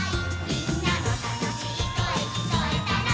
「みんなのたのしいこえきこえたら」